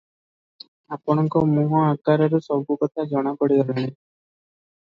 ଆପଣଙ୍କ ମୁହଁ ଆକାରରୁ ସବୁକଥା ଜଣାପଡ଼ିଗଲାଣି ।